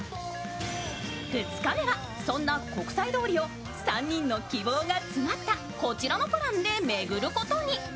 ２日目はそんな国際通りを３人の希望が詰まったこちらのプランで巡ることに。